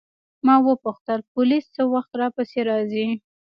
ما وپوښتل پولیس څه وخت راپسې راځي.